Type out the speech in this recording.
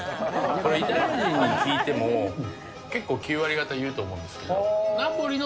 イタリア人に聞いても、結構９割方、言うと思うんですよね。